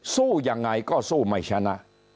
สู้ยังไงก็สู้ไม่ชนะ